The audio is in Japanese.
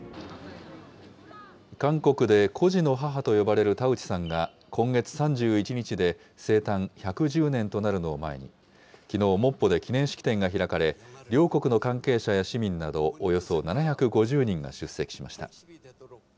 韓国で孤児の母と呼ばれる田内さんが、今月３１日で生誕１１０年となるのを前に、きのうモッポで記念式典が開かれ、両国の関係者や市民などおよそ７５０人が出席しました。